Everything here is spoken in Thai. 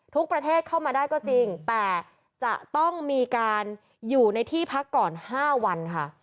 ทุกประเทศเข้ามาได้ก็จริงแต่จะต้องมีการอยู่ในที่พักก่อน๕วันค่ะ